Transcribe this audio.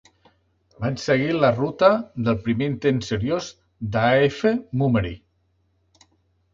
Van seguir la ruta del primer intent seriós d'A F Mummery.